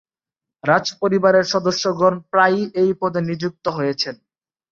রাজপরিবারের সদস্যগণ প্রায়ই এই পদে নিযুক্ত হয়েছেন।